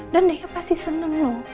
dan dia pasti seneng no